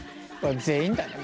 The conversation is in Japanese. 全員だね